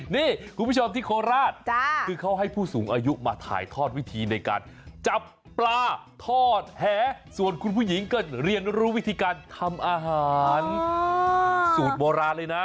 นี่คุณผู้ชมที่โคราชคือเขาให้ผู้สูงอายุมาถ่ายทอดวิธีในการจับปลาทอดแหส่วนคุณผู้หญิงก็เรียนรู้วิธีการทำอาหารสูตรโบราณเลยนะ